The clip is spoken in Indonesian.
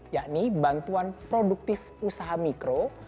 yakni bantuan produktif usaha mikro